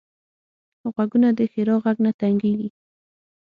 غوږونه د ښیرا غږ نه تنګېږي